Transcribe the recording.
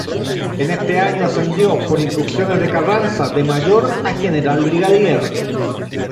En este año ascendió, por instrucciones de Carranza, de mayor a general brigadier.